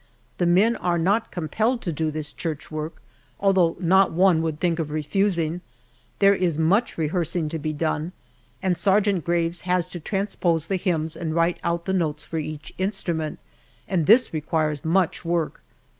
The men are not compelled to do this church work, although not one would think of refusing. There is much rehearsing to be done, and Sergeant Graves has to transpose the hymns and write out the notes for each instrument, and this requires much work.